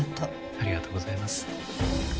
ありがとうございます。